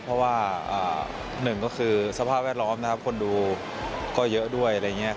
เพราะว่า๑สภาพแก้วระยะสนองคนดูเยอะด้วย